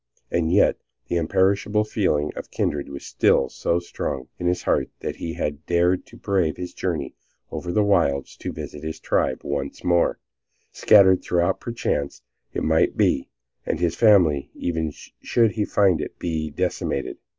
And yet the imperishable feeling of kindred was still so strong in his heart that he had dared to brave this journey over the wilds to visit his tribe once more, scattered though perchance it might be, and his family, even should he find it decimated.